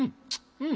うん。